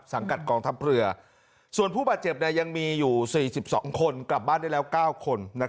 สังกัดกองทัพเรือส่วนผู้บาดเจ็บยังมีอยู่๔๒คนกลับบ้านได้แล้ว๙คน